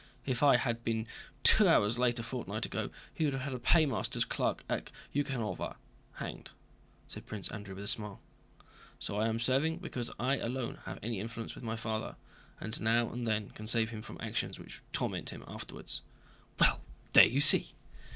If I had been two hours late a fortnight ago he would have had a paymaster's clerk at Yúkhnovna hanged," said Prince Andrew with a smile. "So I am serving because I alone have any influence with my father, and now and then can save him from actions which would torment him afterwards." "Well, there you see!"